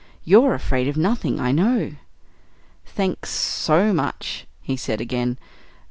You're afraid of nothing, I know." "Thanks so much," he said again.